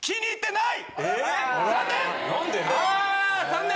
残念！